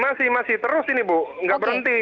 masih masih terus ini bu nggak berhenti